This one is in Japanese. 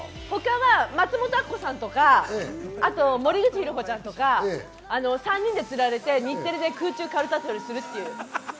松本明子さんとか森口博子ちゃんとか、３人でつられて日テレで空中カルタ取りするっていう。